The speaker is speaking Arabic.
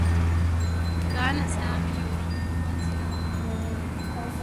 كان سامي يرمّم منزله.